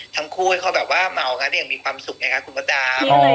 ทำคู่ให้เขาเข้าให้เขามาออกงานด้วยก็มีความศึกไหมครับคุณพระราชาชาวัดลา